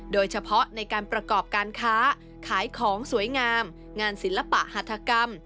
โดยเฉพาะในการประกอบการค้าขายของสวยงามงานศิลปะหัฐกรรม